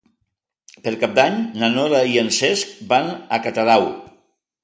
Per Cap d'Any na Nora i en Cesc van a Catadau.